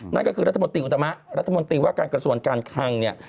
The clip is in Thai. นั่นก็คือรัฐมนตรีอุตมะรัฐมนตรีว่าการกระทรวงการคังเนี่ย